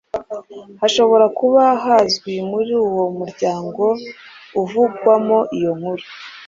hashobora kuba hazwi muri uwo muryango uvugwamo iyo nkuru.